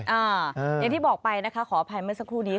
อย่างที่บอกไปนะคะขออภัยเมื่อสักครู่นี้